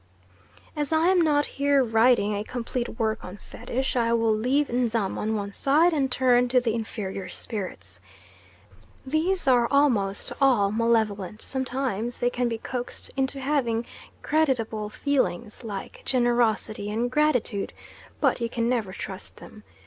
As I am not here writing a complete work on Fetish I will leave Nzam on one side, and turn to the inferior spirits. These are almost all malevolent; sometimes they can be coaxed into having creditable feelings, like generosity and gratitude, but you can never trust them.